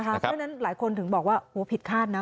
เพราะฉะนั้นหลายคนถึงบอกว่าผิดคาดนะ